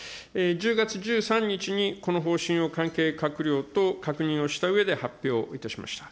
１０月１３日にこの方針を関係閣僚と確認をしたうえで発表いたしました。